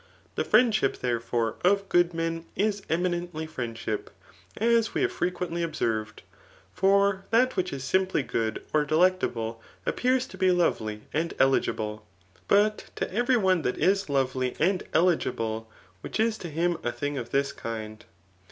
The friendship, therefore, of good men is eminently friendship, as we have firequently observed. For that which is simply good or delectable, appears to be lovely and eligible ; but to every one that is lovely and eligible which is to him a thing of this kind.